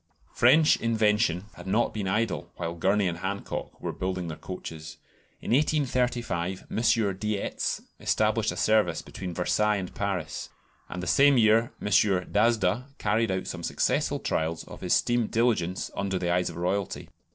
French invention had not been idle while Gurney and Hancock were building their coaches. In 1835 M. Dietz established a service between Versailles and Paris, and the same year M. D'Asda carried out some successful trials of his steam "diligence" under the eyes of Royalty.